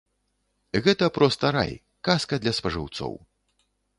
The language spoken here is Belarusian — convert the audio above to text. Гэта проста рай, казка для спажыўцоў.